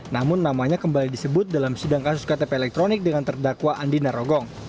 namun namanya kembali disebut dalam sidang kasus ktp elektronik dengan terdakwa andi narogong